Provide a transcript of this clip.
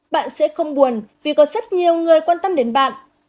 bạn sẽ không buồn vì có rất nhiều người quan tâm đến bạn